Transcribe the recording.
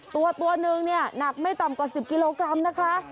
ตัวหนึ่งหนักไม่ต่ำกว่า๑๐กิโลกรัมนะคะ